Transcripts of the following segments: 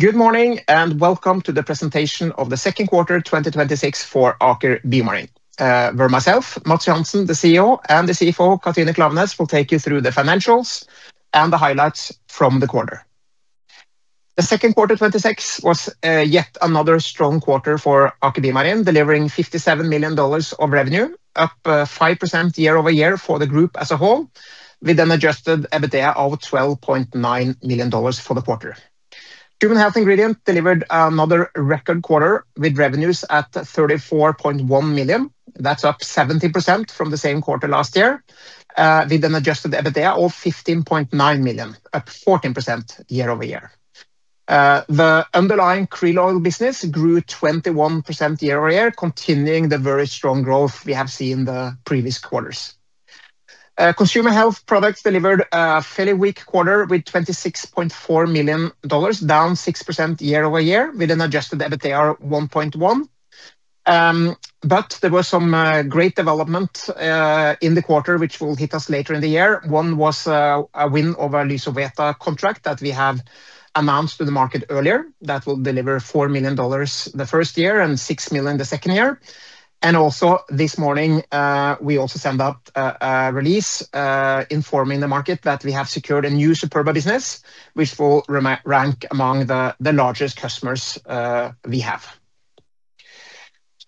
Good morning, and welcome to the presentation of the second quarter 2026 for Aker BioMarine, where myself, Matts Johansen, the Chief Executive Officer, and the Chief Financial Officer, Katrine Klaveness, will take you through the financials and the highlights from the quarter. The second quarter 2026 was yet another strong quarter for Aker BioMarine, delivering $57 million of revenue, up 5% year-over-year for the group as a whole, with an adjusted EBITDA of $12.9 million for the quarter. Human Health Ingredients delivered another record quarter with revenues at $34.1 million. That's up 17% from the same quarter last year with an adjusted EBITDA of $15.9 million, up 14% year-over-year. The underlying krill oil business grew 21% year-over-year, continuing the very strong growth we have seen the previous quarters. Consumer Health Products delivered a fairly weak quarter with $26.4 million, down 6% year-over-year with an adjusted EBITDA of $1.1 million. There were some great development in the quarter, which will hit us later in the year. One was a win over Lysoveta contract that we have announced to the market earlier. That will deliver $4 million the first year and $6 million the second year. Also, this morning, we also send out a release informing the market that we have secured a new Superba business, which will rank among the largest customers we have.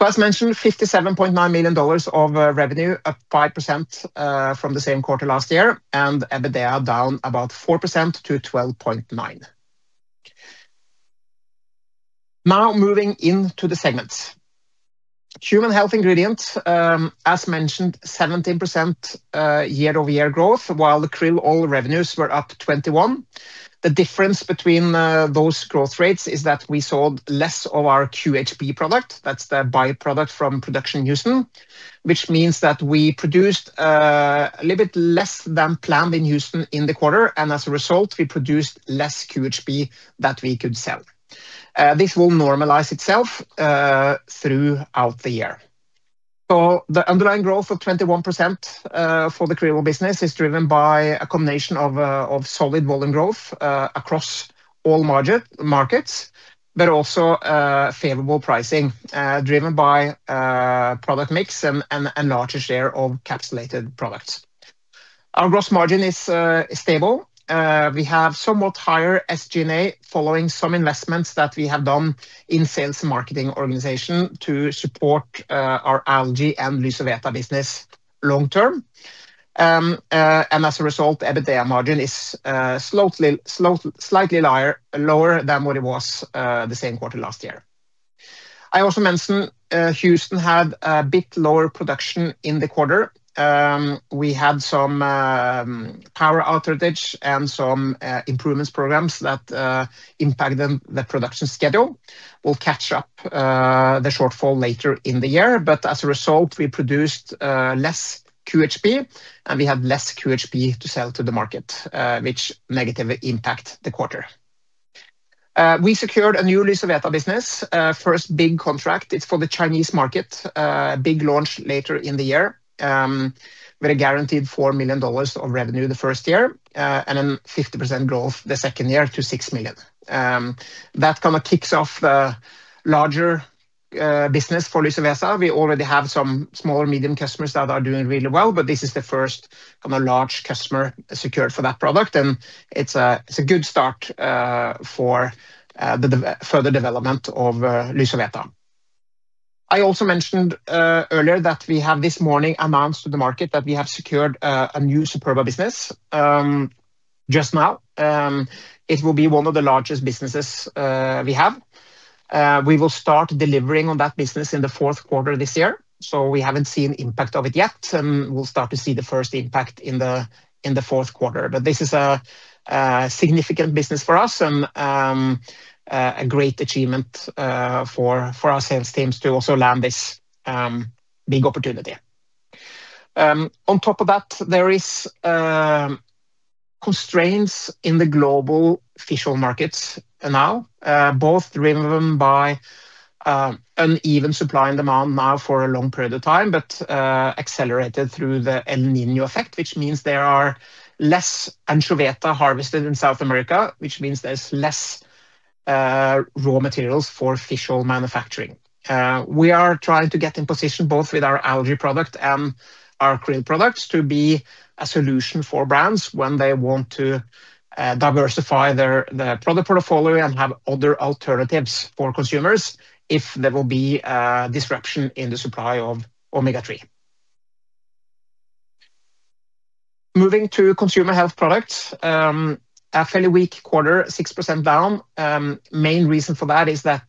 As mentioned, $57.9 million of revenue, up 5% from the same quarter last year, and EBITDA down about 4% to $12.9 million. Moving into the segments. Human Health Ingredients, as mentioned, 17% year-over-year growth, while the krill oil revenues were up 21%. The difference between those growth rates is that we sold less of our QHP product. That's the by-product from production in Houston, which means that we produced a little bit less than planned in Houston in the quarter, and as a result, we produced less QHP that we could sell. This will normalize itself throughout the year. The underlying growth of 21% for the krill oil business is driven by a combination of solid volume growth across all markets, but also favorable pricing driven by product mix and a larger share of capsulated products. Our gross margin is stable. We have somewhat higher SG&A following some investments that we have done in sales and marketing organization to support our algae and Lysoveta business long term. As a result, EBITDA margin is slightly lower than what it was the same quarter last year. I also mentioned Houston had a bit lower production in the quarter. We had some power outage and some improvements programs that impacted the production schedule. We'll catch up the shortfall later in the year, but as a result, we produced less QHP, and we had less QHP to sell to the market, which negatively impact the quarter. We secured a new Lysoveta business. First big contract. It's for the Chinese market. A big launch later in the year. With a guaranteed $4 million of revenue the first year, and then 50% growth the second year to $6 million. That kind of kicks off the larger business for Lysoveta. We already have some small or medium customers that are doing really well, but this is the first large customer secured for that product, and it's a good start for the further development of Lysoveta. I also mentioned earlier that we have this morning announced to the market that we have secured a new Superba business, just now. It will be one of the largest businesses we have. We will start delivering on that business in the fourth quarter this year, so we haven't seen impact of it yet. We will start to see the first impact in the fourth quarter. This is a significant business for us and a great achievement for our sales teams to also land this big opportunity. On top of that, there is constraints in the global fish oil markets now, both driven by uneven supply and demand now for a long period of time, but accelerated through the El Niño effect, which means there are less anchoveta harvested in South America, which means there is less raw materials for fish oil manufacturing. We are trying to get in position both with our algae product and our krill products to be a solution for brands when they want to diversify their product portfolio and have other alternatives for consumers if there will be a disruption in the supply of Omega-3. Moving to Consumer Health Products. A fairly weak quarter, 6% down. Main reason for that is that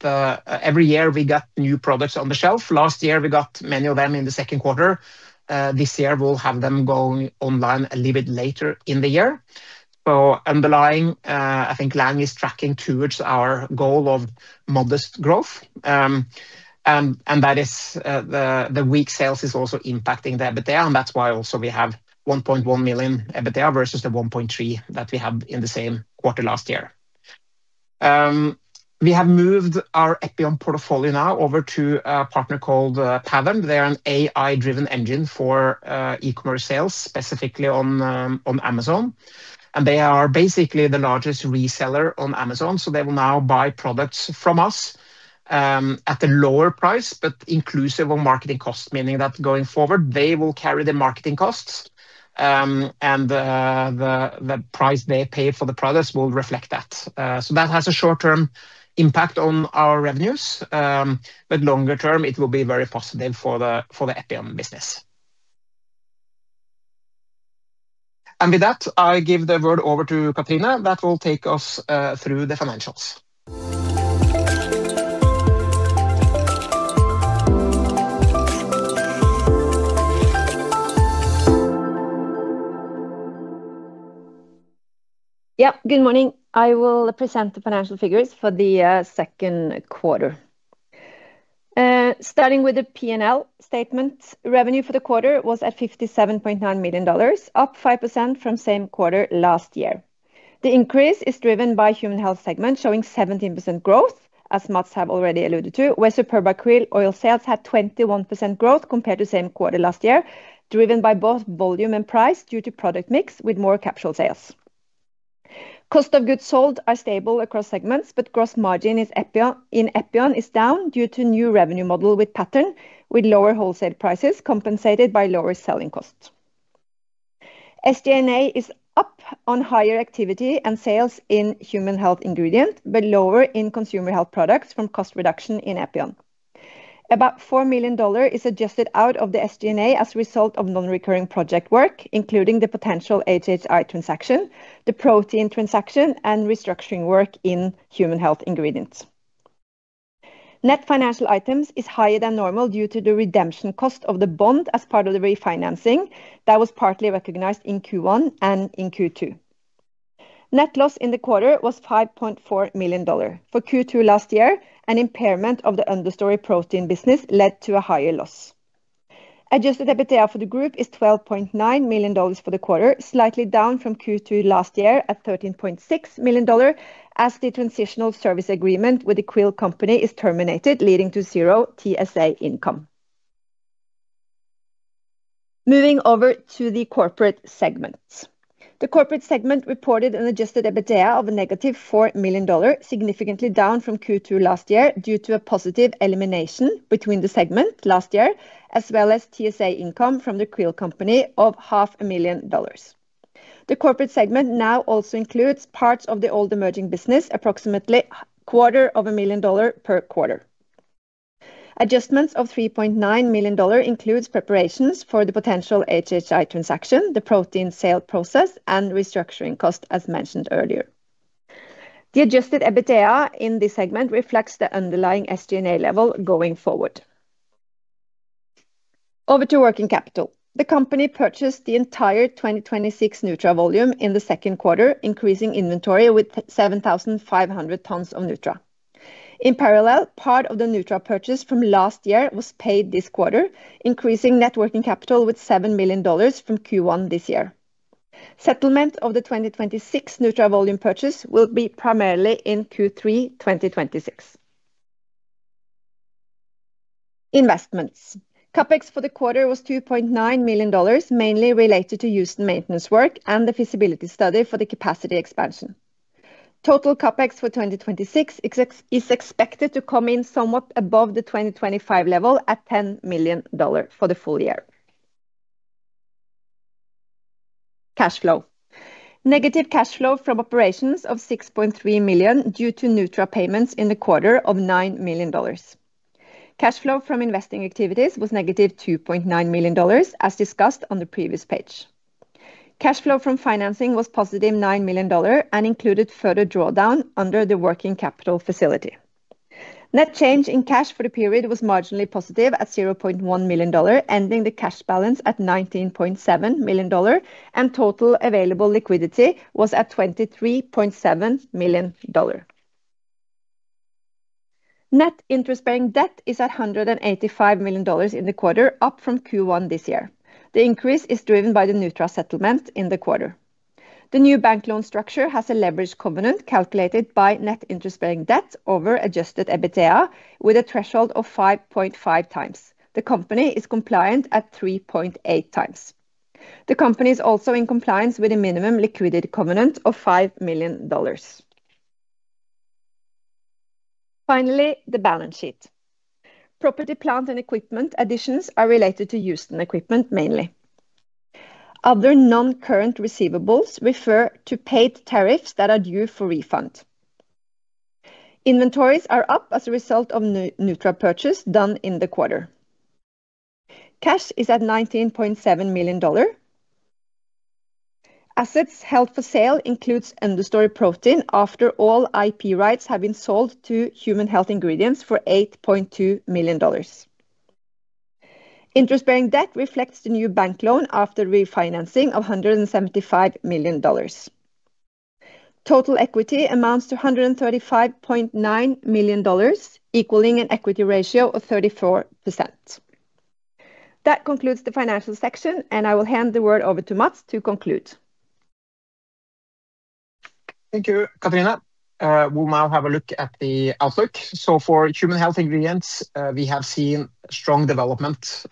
every year we got new products on the shelf. Last year we got many of them in the second quarter. This year we will have them going online a little bit later in the year. Underlying, I think Lang is tracking towards our goal of modest growth. The weak sales is also impacting the EBITDA, and that is why also we have $1.1 million EBITDA versus the $1.3 million that we had in the same quarter last year. We have moved our Epion portfolio now over to a partner called Pattern. They are an AI-driven engine for e-commerce sales, specifically on Amazon, and they are basically the largest reseller on Amazon. They will now buy products from us at a lower price, but inclusive of marketing cost, meaning that going forward, they will carry the marketing costs. The price they pay for the products will reflect that. That has a short-term impact on our revenues, but longer term, it will be very positive for the Epion business. With that, I give the word over to Katrine that will take us through the financials. Good morning. I will present the financial figures for the second quarter. Starting with the P&L statement. Revenue for the quarter was at $57.9 million, up 5% from same quarter last year. The increase is driven by Human Health segment showing 17% growth, as Matts have already alluded to, where Superba Krill Oil sales had 21% growth compared to same quarter last year, driven by both volume and price due to product mix with more capsule sales. Cost of goods sold are stable across segments, but gross margin in Epion is down due to new revenue model with Pattern, with lower wholesale prices compensated by lower selling costs. SG&A is up on higher activity and sales in Human Health Ingredients, but lower in Consumer Health Products from cost reduction in Epion. About $4 million is adjusted out of the SG&A as a result of non-recurring project work, including the potential HHI transaction, the protein transaction, and restructuring work in Human Health Ingredients. Net financial items is higher than normal due to the redemption cost of the bond as part of the refinancing that was partly recognized in Q1 and in Q2. Net loss in the quarter was $5.4 million. For Q2 last year, an impairment of the Understory Protein business led to a higher loss. Adjusted EBITDA for the group is $12.9 million for the quarter, slightly down from Q2 last year at $13.6 million as the transitional service agreement with The Qrill Company is terminated, leading to zero TSA income. Moving over to the corporate segment. The corporate segment reported an adjusted EBITDA of a -$4 million, significantly down from Q2 last year due to a positive elimination between the segment last year, as well as TSA income from The Qrill Company of $500,000. The corporate segment now also includes parts of the old emerging business, approximately quarter of a million dollar per quarter. Adjustments of $3.9 million includes preparations for the potential HHI transaction, the protein sale process, and restructuring cost, as mentioned earlier. The adjusted EBITDA in this segment reflects the underlying SG&A level going forward. Over to working capital. The company purchased the entire 2026 Nutra volume in the second quarter, increasing inventory with 7,500 tons of Nutra. In parallel, part of the Nutra purchase from last year was paid this quarter, increasing net working capital with $7 million from Q1 this year. Settlement of the 2026 Nutra volume purchase will be primarily in Q3 2026. Investments. CapEx for the quarter was $2.9 million, mainly related to Houston maintenance work and the feasibility study for the capacity expansion. Total CapEx for 2026 is expected to come in somewhat above the 2025 level at $10 million for the full year. Cash flow. Negative cash flow from operations of $6.3 million due to Nutra payments in the quarter of $9 million. Cash flow from investing activities was -$2.9 million, as discussed on the previous page. Cash flow from financing was +$9 million and included further drawdown under the working capital facility. Net change in cash for the period was marginally positive at $0.1 million, ending the cash balance at $19.7 million, and total available liquidity was at $23.7 million. Net interest-bearing debt is at $185 million in the quarter, up from Q1 this year. The increase is driven by the Nutra settlement in the quarter. The new bank loan structure has a leverage covenant calculated by net interest-bearing debt over adjusted EBITDA with a threshold of 5.5 times. The company is compliant at 3.8 times. The company is also in compliance with a minimum liquidity covenant of $5 million. Finally, the balance sheet. Property plant and equipment additions are related to Houston equipment mainly. Other non-current receivables refer to paid tariffs that are due for refund. Inventories are up as a result of Nutra purchase done in the quarter. Cash is at $19.7 million. Assets held for sale includes Understory Protein after all IP rights have been sold to Human Health Ingredients for $8.2 million. Interest-bearing debt reflects the new bank loan after refinancing of $175 million. Total equity amounts to $135.9 million, equaling an equity ratio of 34%. That concludes the financial section. I will hand the word over to Matts to conclude. Thank you, Katrine. We will now have a look at the outlook. For Human Health Ingredients, we have seen strong development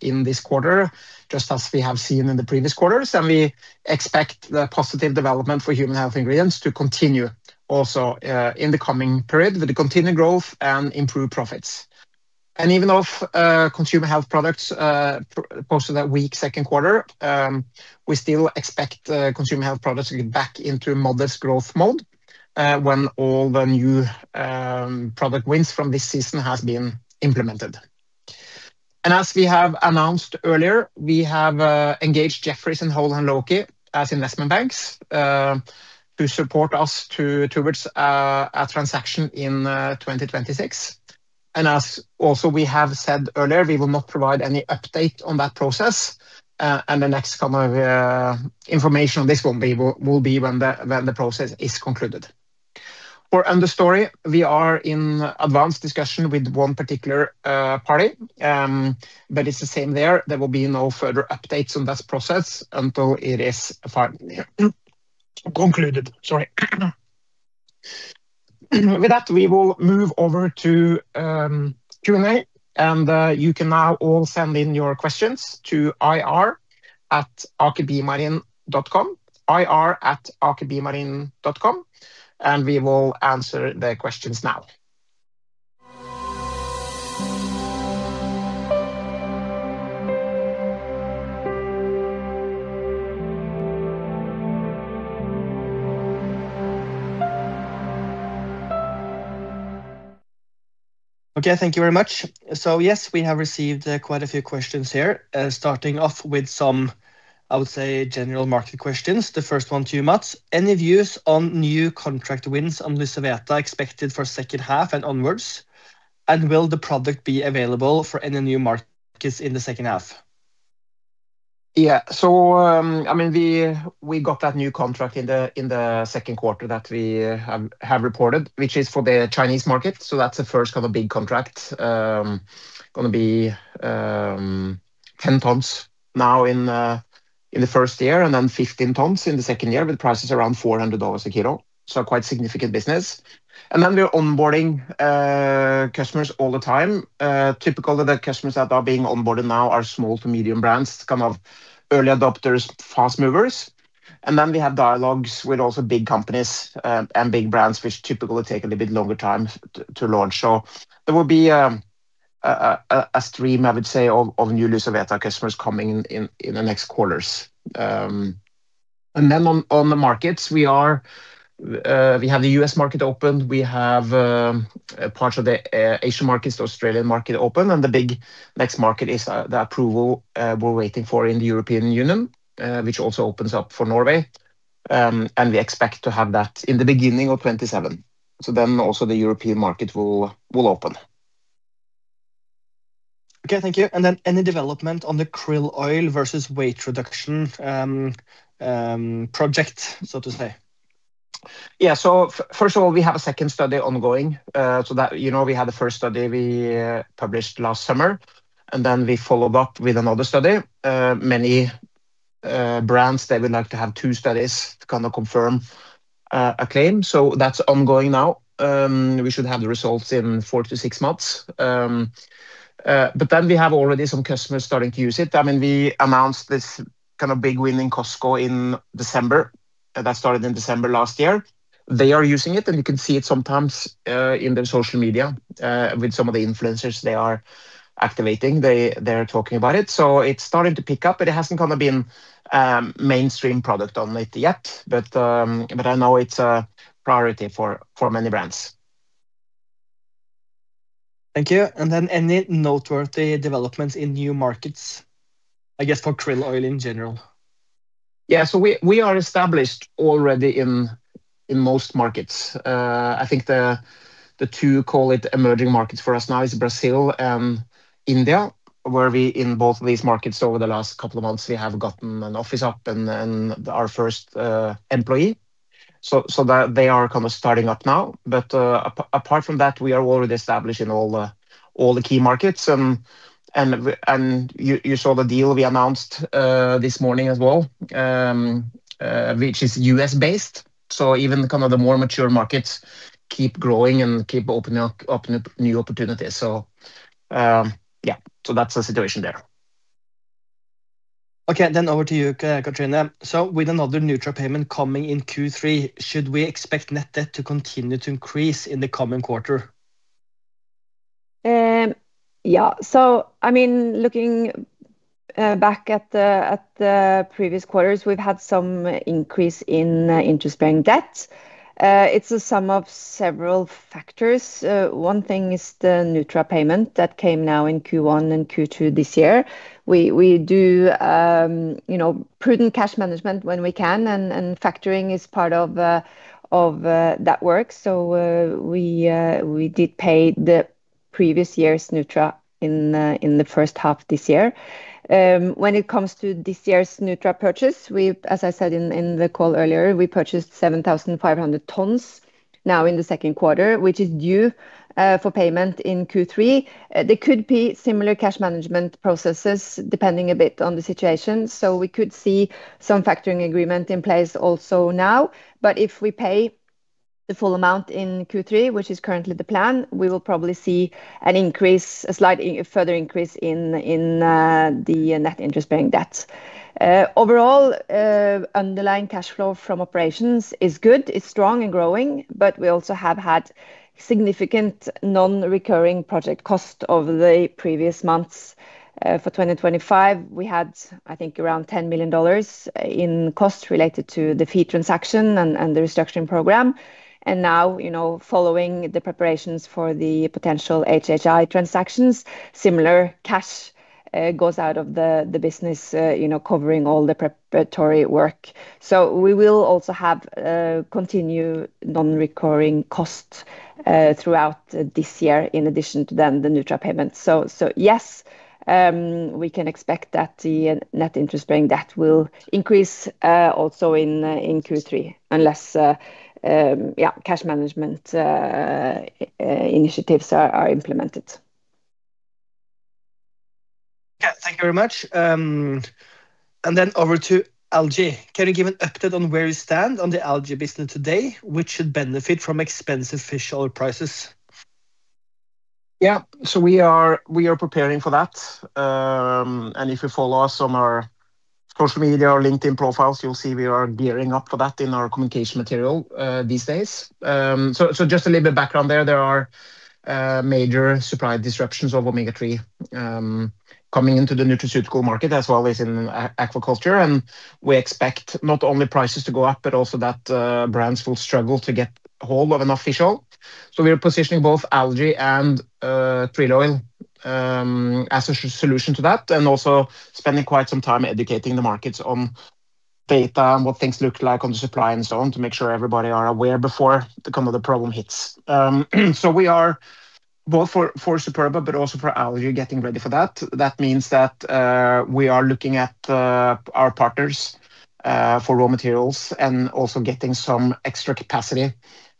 in this quarter, just as we have seen in the previous quarters. We expect the positive development for Human Health Ingredients to continue also in the coming period with the continued growth and improved profits. Even though Consumer Health Products posted a weak second quarter, we still expect Consumer Health Products to get back into modest growth mode when all the new product wins from this season have been implemented. As we have announced earlier, we have engaged Jefferies and Houlihan Lokey as investment banks, to support us towards a transaction in 2026. As also we have said earlier, we will not provide any update on that process. The next information on this one will be when the process is concluded. For Understory, we are in advanced discussion with one particular party. It's the same there. There will be no further updates on that process until it is finally concluded. Sorry. With that, we will move over to Q&A. You can now all send in your questions to ir@akerbiomarine.com. We will answer the questions now. Okay, thank you very much. Yes, we have received quite a few questions here. Starting off with some, I would say, general market questions. The first one to you, Matts. Any views on new contract wins on Lysoveta expected for second half and onwards? Will the product be available for any new markets in the second half? Yeah. We got that new contract in the second quarter that we have reported, which is for the Chinese market. That's the first big contract. Going to be 10 tons now in the first year and then 15 tons in the second year, with prices around $400 a kilo. Quite a significant business. Then we are onboarding customers all the time. Typical of the customers that are being onboarded now are small to medium brands, early adopters, fast movers. Then we have dialogues with also big companies and big brands, which typically take a little bit longer time to launch. There will be a stream, I would say, of new Lysoveta customers coming in the next quarters. Then on the markets, we have the U.S. market open, we have parts of the Asian markets, the Australian market open. The big next market is the approval we are waiting for in the European Union, which also opens up for Norway. We expect to have that in the beginning of 2027. Also the European market will open. Okay, thank you. Any development on the krill oil versus weight reduction project, so to say? Yeah. First of all, we have a second study ongoing. We had the first study we published last summer, we followed up with another study. Many brands, they would like to have two studies to confirm a claim. That's ongoing now. We should have the results in four to six months. We have already some customers starting to use it. We announced this big win in Costco in December. That started in December last year. They are using it, and you can see it sometimes in their social media, with some of the influencers they are activating. They are talking about it. It's starting to pick up, but it hasn't been mainstream product on it yet. I know it's a priority for many brands. Thank you. Any noteworthy developments in new markets, I guess for krill oil in general? Yeah. We are established already in most markets. I think the two, call it emerging markets for us now is Brazil and India, where we in both these markets over the last couple of months, we have gotten an office up and our first employee. They are kind of starting up now. Apart from that, we are already established in all the key markets. You saw the deal we announced this morning as well, which is U.S.-based. Even the more mature markets keep growing and keep opening up new opportunities. That's the situation there. Okay, over to you, Katrine. With another Nutra payment coming in Q3, should we expect net debt to continue to increase in the coming quarter? Yeah. Looking back at the previous quarters, we've had some increase in interest-bearing debt. It's a sum of several factors. One thing is the Nutra payment that came now in Q1 and Q2 this year. We do prudent cash management when we can, and factoring is part of that work. We did pay the previous year's Nutra in the first half this year. When it comes to this year's Nutra purchase, as I said in the call earlier, we purchased 7,500 tons in the second quarter, which is due for payment in Q3. There could be similar cash management processes, depending a bit on the situation. We could see some factoring agreement in place also now. If we pay the full amount in Q3, which is currently the plan, we will probably see a further increase in the net interest-bearing debt. Overall, underlying cash flow from operations is good. It's strong and growing, but we also have had significant non-recurring project cost over the previous months. For 2025, we had, I think, around $10 million in costs related to the feed transaction and the restructuring program. Now, following the preparations for the potential HHI transactions, similar cash goes out of the business, covering all the preparatory work. We will also have continued non-recurring costs throughout this year, in addition to the Nutra meal payments. Yes, we can expect that the net interest bearing debt will increase also in Q3, unless cash management initiatives are implemented. Okay. Thank you very much. Over to algae. Can you give an update on where you stand on the algae business today, which should benefit from expensive fish oil prices? We are preparing for that. If you follow us on our social media or LinkedIn profiles, you'll see we are gearing up for that in our communication material these days. Just a little bit of background there. There are major supply disruptions of Omega-3 coming into the nutraceutical market as well as in aquaculture. We expect not only prices to go up, but also that brands will struggle to get hold of enough fish oil. We are positioning both algae and krill oil as a solution to that, and also spending quite some time educating the markets on data and what things look like on the supply and so on to make sure everybody are aware before the problem hits. We are, both for Superba, but also for algae, getting ready for that. That means that we are looking at our partners for raw materials and also getting some extra capacity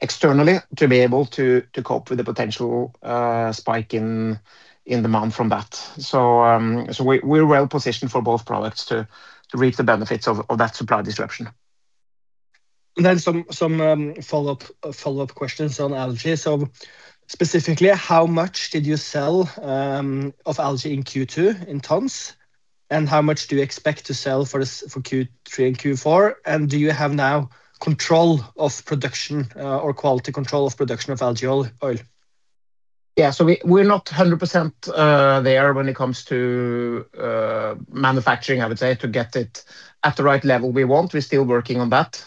externally to be able to cope with the potential spike in demand from that. We're well positioned for both products to reap the benefits of that supply disruption. Some follow-up questions on algae. Specifically, how much did you sell of algae in Q2 in tons? How much do you expect to sell for Q3 and Q4? Do you have now control of production or quality control of production of algae oil? We're not 100% there when it comes to manufacturing, I would say, to get it at the right level we want. We're still working on that.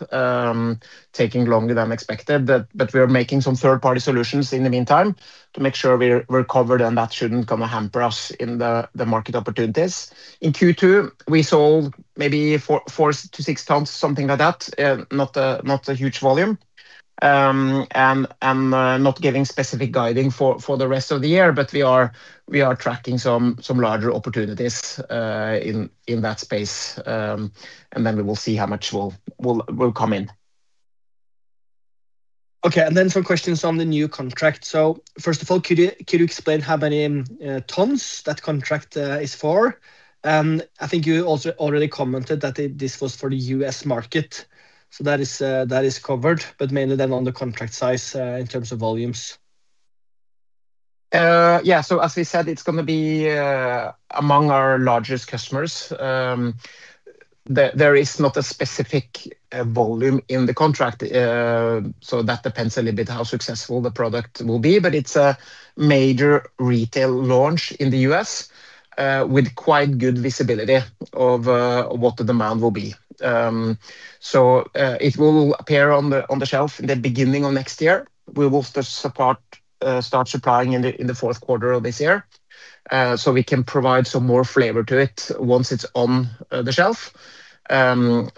Taking longer than expected, but we are making some third-party solutions in the meantime to make sure we're covered, and that shouldn't come to hamper us in the market opportunities. In Q2, we sold maybe 4 tons-6 tons, something like that. Not a huge volume. Not giving specific guiding for the rest of the year, but we are tracking some larger opportunities in that space. We will see how much will come in. Some questions on the new contract. First of all, could you explain how many tons that contract is for? I think you also already commented that this was for the U.S. market. That is covered, but mainly then on the contract size in terms of volumes. As we said, it's going to be among our largest customers. There is not a specific volume in the contract, so that depends a little bit how successful the product will be. It's a major retail launch in the U.S. with quite good visibility of what the demand will be. It will appear on the shelf in the beginning of next year. We will start supplying in the fourth quarter of this year so we can provide some more flavor to it once it's on the shelf. Given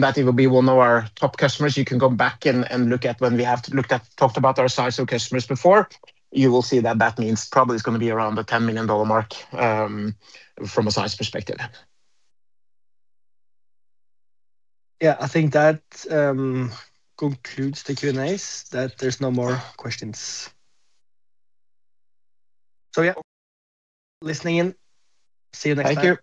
that it will be one of our top customers, you can go back and look at when we have talked about our size of customers before. You will see that that means probably it's going to be around the $10 million mark from a size perspective. I think that concludes the Q&As, that there's no more questions. Listening in. See you next time.